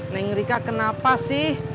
neng rika kenapa sih